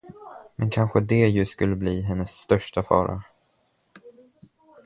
Men kanske det just skulle bli hennes största fara.